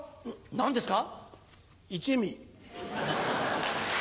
何ですか？